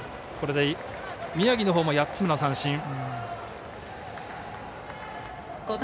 これで宮城のほうも８つ目の三振。